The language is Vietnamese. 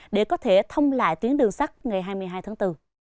để có thể thông lại tuyến đường sắt ngày hai mươi hai tháng bốn